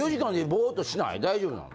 大丈夫なの？